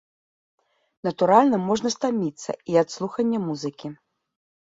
Натуральна, можна стаміцца і ад слухання музыкі.